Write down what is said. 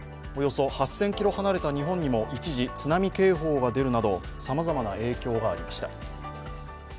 およそ８０００ｋｍ離れた日本にも一時、津波警報が出るなどさまざまな影響がありました。